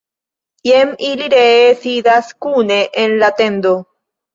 Jen ili ree sidas kune en la tendo!